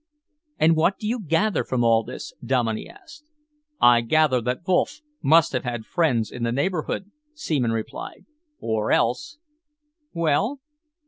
"And what do you gather from all this?" Dominey asked. "I gather that Wolff must have had friends in the neighbourhood," Seaman replied, "or else " "Well?"